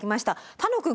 楽くん